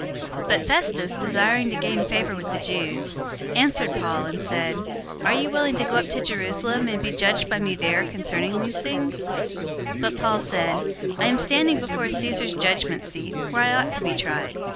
025:009 But Festus, desiring to gain favor with the Jews, answered Paul and said, "Are you willing to go up to Jerusalem, and be judged by me there concerning these things?" 025:010 But Paul said, "I am standing before Caesar's judgment seat, where I ought to be tried.